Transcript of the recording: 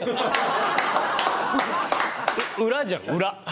裏じゃん裏。